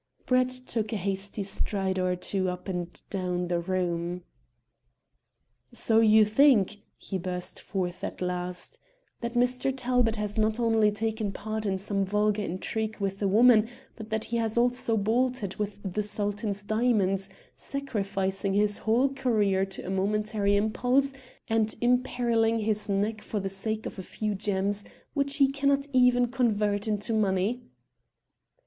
Brett took a hasty stride or two up and down the room. "So you think," he burst forth at last, "that Mr. Talbot has not only taken part in some vulgar intrigue with a woman, but that he has also bolted with the Sultan's diamonds, sacrificing his whole career to a momentary impulse and imperilling his neck for the sake of a few gems, which he cannot even convert into money?"